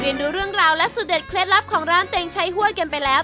ดูเรื่องราวและสุดเด็ดเคล็ดลับของร้านเต็งใช้ห้วยกันไปแล้ว